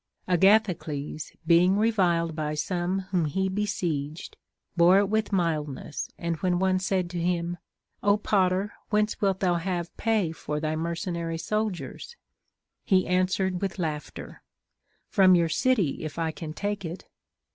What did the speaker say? Agathocles, being reviled by some whom he besieged, bore it with mildness ; and when one CONCERNING THE CURE OF ANGER. " 47 said to him, Ο Potter, Avhence wilt thou have pay for thy mercenary soldiers? he answered with laughter, From your city, if I can take it.